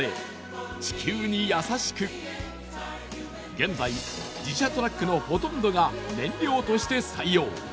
現在自社トラックのほとんどが燃料として採用。